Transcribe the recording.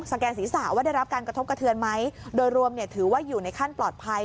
แกนศีรษะว่าได้รับการกระทบกระเทือนไหมโดยรวมเนี่ยถือว่าอยู่ในขั้นปลอดภัย